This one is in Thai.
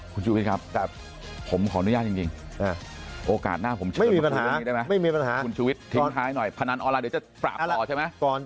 คุณชุวิตครับผมขออนุญาตจริงโอกาสหน้าผมเชิญมาพูดเรื่องนี้ได้ไหมคุณชุวิตทิ้งท้ายหน่อยพนันออนไลน์เดี๋ยวจะปรากฏใช่ไหม